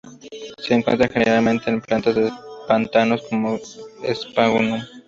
Se encuentran generalmente en plantas de pantanos, como "Sphagnum".